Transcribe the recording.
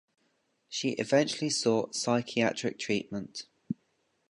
She eventually sought psychiatric treatment.